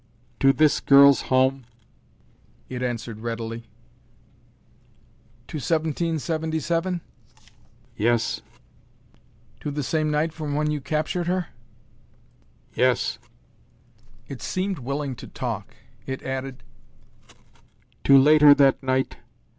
"To this girl's home," it answered readily. "To 1777?" "Yes." "To the same night from when you captured her?" "Yes." It seemed willing to talk. It added, "To later that night.